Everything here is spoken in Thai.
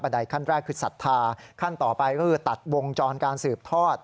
ใดขั้นแรกคือศรัทธาขั้นต่อไปก็คือตัดวงจรการสืบทอด